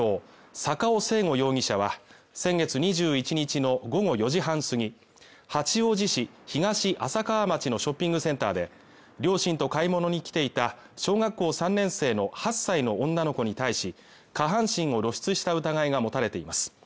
坂尾征吾容疑者は先月２１日の午後４時半すぎ、八王子市東浅川町のショッピングセンターで、両親と買い物に来ていた小学校３年生の８歳の女の子に対し、下半身を露出した疑いが持たれています。